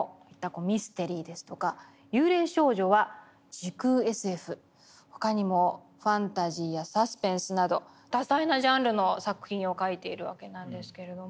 ミステリーですとか「幽霊少女」は時空ＳＦ他にもファンタジーやサスペンスなど多彩なジャンルの作品を描いているわけなんですけれども。